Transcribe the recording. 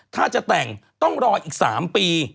ถ้าจะแต่งต้องรออีก๓ปี